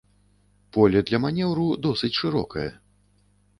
Поле для манеўру досыць шырокае.